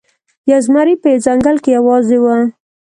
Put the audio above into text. یو زمری په یوه ځنګل کې یوازې و.